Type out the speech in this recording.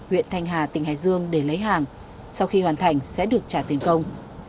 huyện thanh hà tỉnh hải dương để lấy hàng sau khi hoàn thành sẽ được trả tiền công